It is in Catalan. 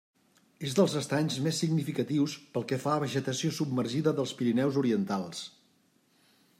És dels estanys més significatius pel que fa a vegetació submergida dels Pirineus Orientals.